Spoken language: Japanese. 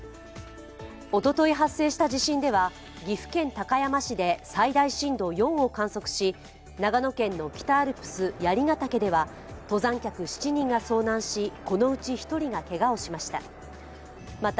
おととい発生した地震では岐阜県高山市で最大震度４を観測し、長野県の北アルプス槍ヶ岳では、登山客７人が遭難しこのうち１人がけがをしました。